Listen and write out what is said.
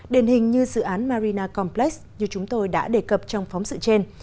đền hình như dự án marina complex như chúng tôi đã đề cập trong phóng sự trên